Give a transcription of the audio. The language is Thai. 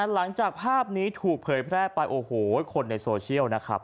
หลังจากภาพนี้ถูกเผยแพร่ไปโอ้โหคนในโซเชียลนะครับ